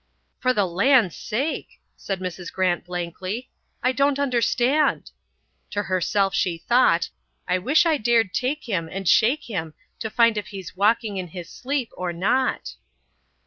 "For the land's sake!" said Mrs. Grant blankly. "I don't understand." To herself she thought, "I wish I dared take him and shake him to find if he's walking in his sleep or not."